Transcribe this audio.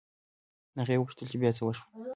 هغې وپوښتل چې بيا څه وشول